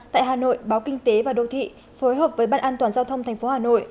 tại hà nội báo kinh tế và đô thị phối hợp với ban an toàn giao thông thành phố hà nội